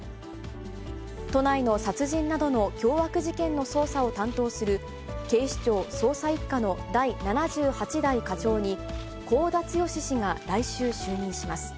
都内の殺人などの凶悪事件の捜査を担当する、警視庁捜査１課の第７８代課長に、國府田剛氏が来週就任します。